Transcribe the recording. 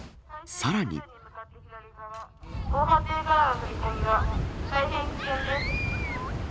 防波堤からの飛び込みは大変危険です。